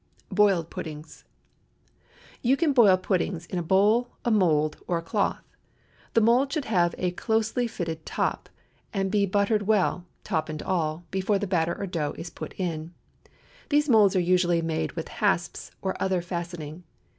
BOILED PUDDINGS. You can boil puddings in a bowl, a mould, or a cloth. The mould should have a closely fitting top, and be buttered well—top and all—before the batter or dough is put in. These moulds are usually made with hasps or other fastening.